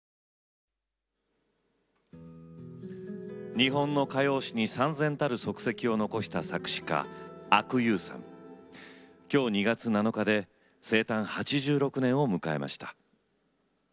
日本の歌謡史にさん然たる足跡を残した今日２月７日で生誕８６年を迎えました。